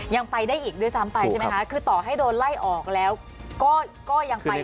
ยังไปได้อีกด้วยซ้ำไปใช่ไหมคะคือต่อให้โดนไล่ออกแล้วก็ก็ยังไป